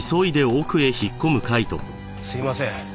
すいません。